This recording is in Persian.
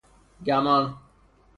گمان